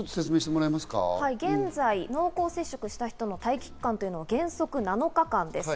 現在、濃厚接触した人の待機期間は原則７日間です。